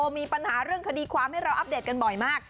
มีปัญหาเรื่องคดีความให้เราอัปเดตกันบ่อยมาก